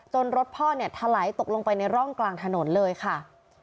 รถพ่อเนี่ยถลายตกลงไปในร่องกลางถนนเลยค่ะ